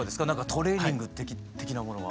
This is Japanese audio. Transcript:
トレーニング的なものは。